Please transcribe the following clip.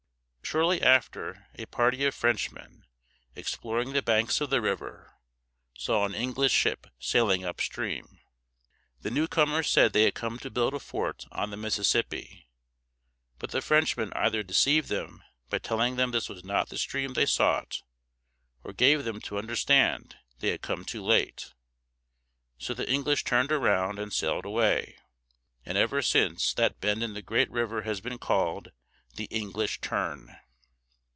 Shortly after, a party of Frenchmen, exploring the banks of the river, saw an English ship sailing upstream. The newcomers said they had come to build a fort on the Mississippi; but the Frenchmen either deceived them by telling them this was not the stream they sought, or gave them to understand they had come too late. So the English turned around and sailed away, and ever since that bend in the great river has been called the "English Turn."